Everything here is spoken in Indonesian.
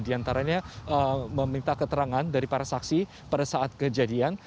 di antaranya meminta keterangan dari para saksi pada saat kejadian